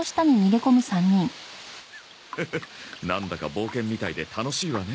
フフなんだか冒険みたいで楽しいわね。